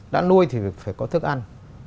đã nuôi thì phải có thức ăn